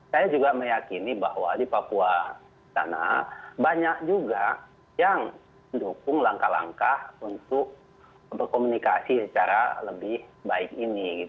saya juga meyakini bahwa di papua sana banyak juga yang mendukung langkah langkah untuk berkomunikasi secara lebih baik ini